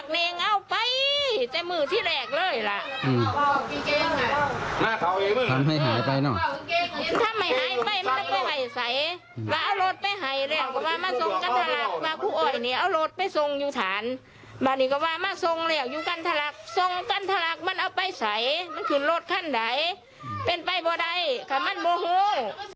มานี่ก็ว่ามาทรงเรียกอยู่กันทรลักษณ์ทรงกันทรลักษณ์มันเอาไปใสมันคือลดขั้นใดเป็นไปพอใดค่ะมันบูหู